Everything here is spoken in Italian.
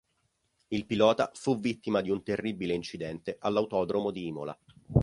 Il pilota fu vittima di un terribile incidente all'Autodromo di Imola.